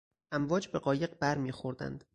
امواج به قایق برمیخوردند.